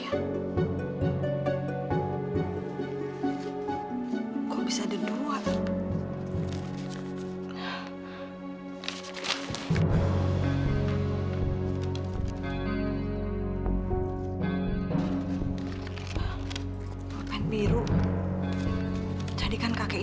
aku punya rencana